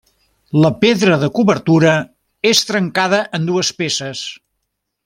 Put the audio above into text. La pedra de cobertura és trencada en dues peces.